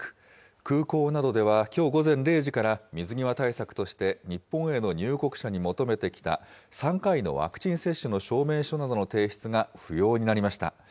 空港などではきょう午前０時から、水際対策として日本への入国者に求めてきた３回のワクチン接種の証明書などの提出が不要になりました。